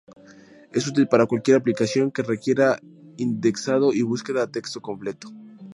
Es útil para cualquier aplicación que requiera indexado y búsqueda a texto completo.